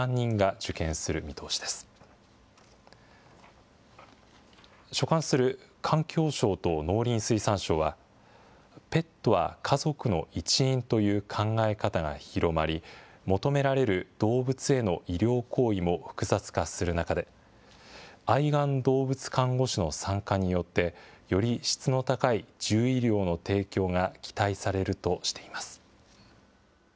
所管する環境省と農林水産省は、ペットは家族の一員という考え方が広まり、求められる動物への医療行為も複雑化する中で、愛玩動物看護師の参加によって、より質の高い獣医療の提供が期待されるとしています。